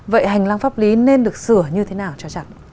vậy hành lang pháp lý nên được sửa như thế nào cho chặt